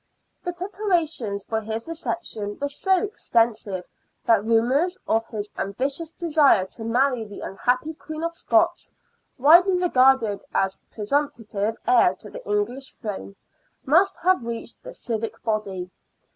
The preparations for his reception were so extensive that rumours of his ambitious desire to marry the unhappy Queen of Scots, widely regarded as presumptive heir to the English Throne, must have reached the civic body.